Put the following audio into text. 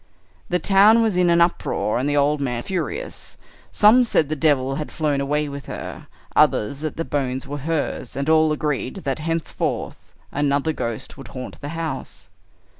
"The town was in an uproar, and the old man furious. Some said the devil had flown away with her, others that the bones were hers, and all agreed that henceforth another ghost would haunt the house.